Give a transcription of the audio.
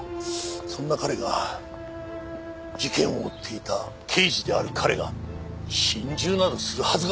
そんな彼が事件を追っていた刑事である彼が心中などするはずがない！